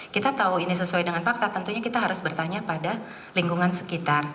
kita tahu ini sesuai dengan fakta tentunya kita harus bertanya pada lingkungan sekitar